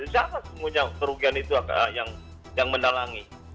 jangan semua kerugian itu yang menalangi